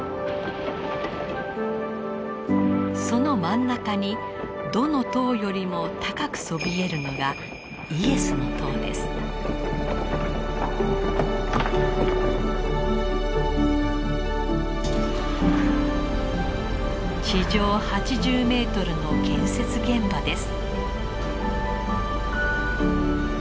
その真ん中にどの塔よりも高くそびえるのが地上８０メートルの建設現場です。